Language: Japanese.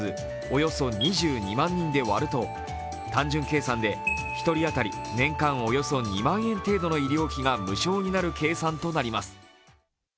およそ２２万人で割ると単純計算で１人当たり年間およそ２万円程度の医療費が無償になる計算となります。